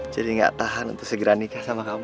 jadi gak tahan untuk segera nikah sama kamu